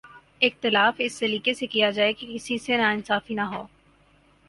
اختلاف اس سلیقے سے کیا جائے کہ کسی سے ناانصافی نہ ہو